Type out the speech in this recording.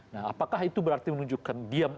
nah apakah itu berarti menunjukkan diam